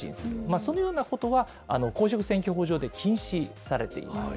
そのようなことは、公職選挙法上で禁止されています。